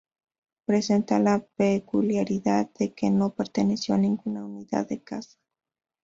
Presenta la peculiaridad de que no perteneció a ninguna unidad de caza.